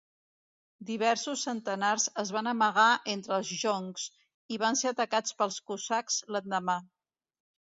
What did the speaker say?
Diversos centenars es van amagar entre els joncs, i van ser atacats pels cosacs l'endemà.